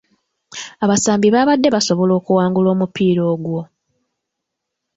Abasambi babadde basobola okuwangula omupiira ogwo.